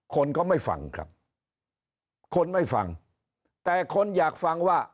คนก็ไม่ฟังครับคนไม่ฟังแต่คนอยากฟังว่า